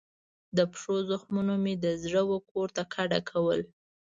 د پښو زخمونو مې د زړه وکور ته کډه کول